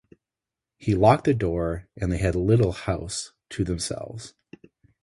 He locked the door, and they had the little house to themselves.